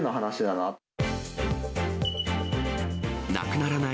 なくならない！